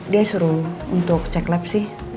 dia suruh untuk cek lab sih